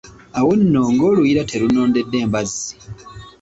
Awo nno ng'oluyiira terunnondedde mbazzi!